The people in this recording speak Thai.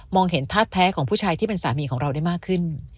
เห็นท่าแท้ของผู้ชายที่เป็นสามีของเราได้มากขึ้น